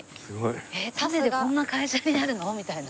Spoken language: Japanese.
タネでこんな会社になるの？みたいな。